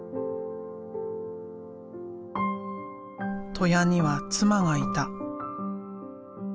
戸谷には妻がいた。